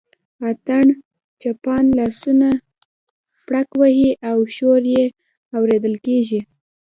اتڼ چیان لاسونه پړک وهي او شور یې اورېدل کېږي.